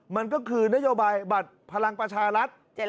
มันก็คือนโยบายบัตรพลังประชารัฐ